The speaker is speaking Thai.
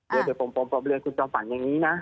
เดี๋ยวผมเรียนคุณจอมฝันอย่างนี้นะ